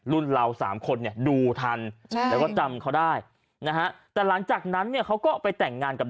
เราสามคนเนี่ยดูทันใช่แล้วก็จำเขาได้นะฮะแต่หลังจากนั้นเนี่ยเขาก็ไปแต่งงานกับ